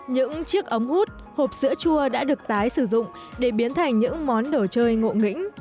những chiếc ống hút hộp sữa chua đã được tái sử dụng để biến thành những món đồ chơi ngộ nghĩnh